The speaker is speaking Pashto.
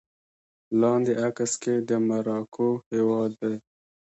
لاندې عکس کې د مراکو هېواد دی